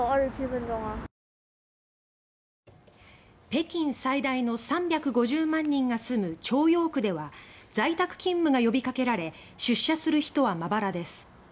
北京最大の３５０万人が住む朝陽区では在宅勤務が呼びかけられ出社する人はまばらです。